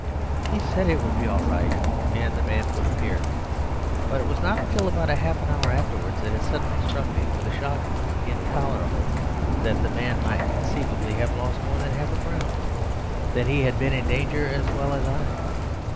He said it would be all right, and the man would appear. But it was not until about half an hour afterwards that it suddenly struck me with a shock intolerable that the man might conceivably have lost more than half a crown; that he had been in danger as well as I.